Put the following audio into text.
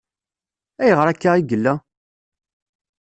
Ayɣer akka i yella?